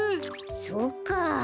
そっかあ。